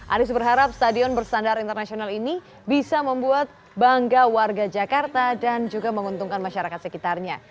anies berharap stadion bersandar internasional ini bisa membuat bangga warga jakarta dan juga menguntungkan masyarakat sekitarnya